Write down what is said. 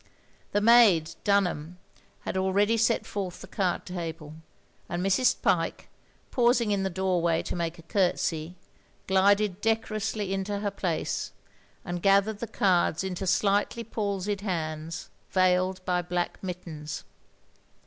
The maid, Dunham, had already set forth the card table, and Mrs. Pyke, pausing in the doorway to make a curtsey, glided decorously into her place, and gathered the cards into slightly palsied hands, veiled by black mittens.